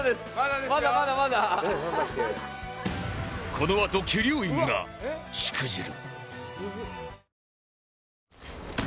このあと鬼龍院がしくじる